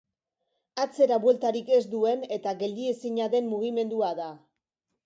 Atzera bueltarik ez duen eta geldiezina den mugimendua da.